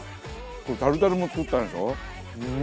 タルタルも作ったんでしょ？